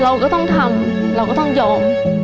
เราก็ต้องทำเราก็ต้องยอม